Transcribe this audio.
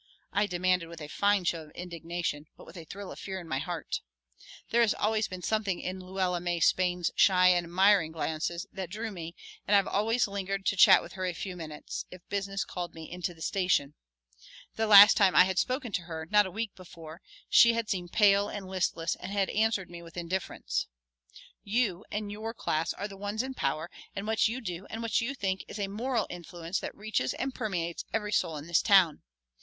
I demanded with a fine show of indignation, but with a thrill of fear in my heart. There has always been something in Luella May Spain's shy and admiring glances that drew me and I have always lingered to chat with her a few minutes if business called me into the station. The last time I had spoken to her, not a week before, she had seemed pale and listless and had answered me with indifference. "You and your class are the ones in power and what you do and what you think is a moral influence that reaches and permeates every soul in this town.